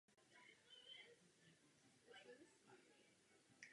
V tomto ohledu nepodporujeme postoj Parlamentu.